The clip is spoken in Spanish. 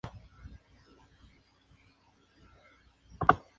Los presidentes de Chile, del Perú, del Uruguay y de Bolivia no pudieron asistir.